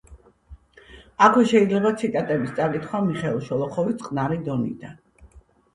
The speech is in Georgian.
აქვე შეიძლება ციტატების წაკითხვა მიხეილ შოლოხოვის „წყნარი დონიდან“.